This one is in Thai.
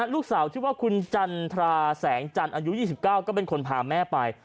ลูกสาวชื่อว่าคุณจันทราแสงจันทร์อายุ๒๙ก็เป็นคนพาแม่ไป